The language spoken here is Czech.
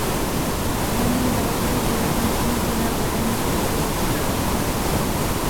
Na něj navazuje železniční tunel vedený pod Bílou skálou.